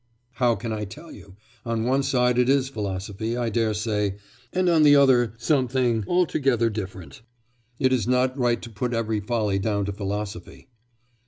'How can I tell you? On one side it is philosophy, I daresay, and on the other something altogether different. It is not right to put every folly down to philosophy.